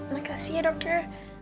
makasih ya dokter